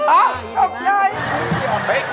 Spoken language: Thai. อะกล้องใจ